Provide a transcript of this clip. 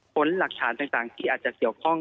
ผลหลักฐานต่างที่อาจจะเกี่ยวข้อง